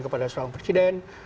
kepada seorang presiden